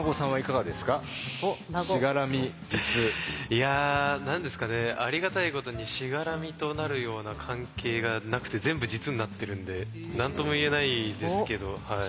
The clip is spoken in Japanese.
いや何ですかねありがたいことにしがらみとなるような関係がなくて全部実になってるんで何とも言えないですけどはい。